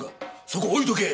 そこ置いとけ。